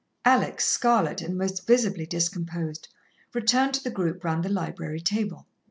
Alex, scarlet, and most visibly discomposed, returned to the group round the library table.